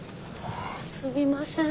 すみません。